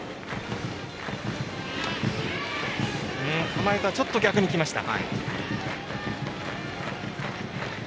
構えとはちょっと逆にきました。